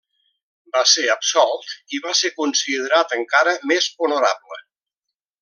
Va ser absolt i va ser considerat encara més honorable.